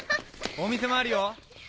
お店もあるよ。